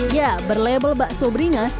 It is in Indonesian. ya berlabel bakso beringas